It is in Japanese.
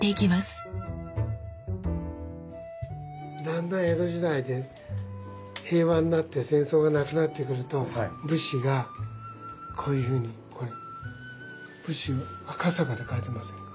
だんだん江戸時代で平和になって戦争がなくなってくると武士がこういうふうにこれ赤坂って書いてませんか？